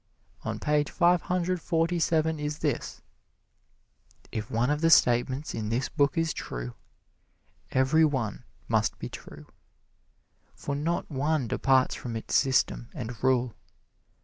On page five hundred forty seven is this: "If one of the statements in this book is true, every one must be true, for not one departs from its system and rule.